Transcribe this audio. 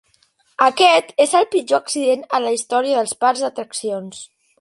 Aquest és el pitjor accident en la història dels parcs d'atraccions.